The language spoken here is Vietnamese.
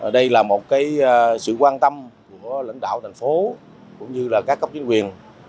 đây là một sự quan tâm của lãnh đạo thành phố cũng như là các cấp chính quyền